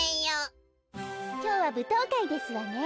きょうはぶとうかいですわね。